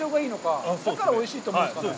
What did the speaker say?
だから、おいしいと思うんですかね。